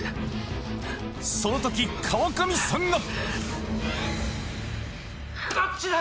その時川上さんが！